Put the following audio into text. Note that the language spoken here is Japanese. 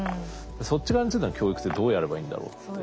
そっち側についての教育ってどうやればいいんだろうって。